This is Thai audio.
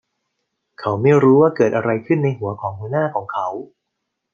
เขาไม่รู้ว่าเกิดอะไรขึ้นในหัวของหัวหน้าของเขา